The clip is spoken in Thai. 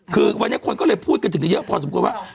คือวันนี้คนก็เลยพูดกระจึงเยอะพอสมมสมมุติว่า